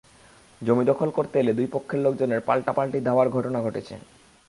জমি দখল করতে এলে দুই পক্ষের লোকজনের পাল্টাপাল্টি ধাওয়ার ঘটনা ঘটেছে।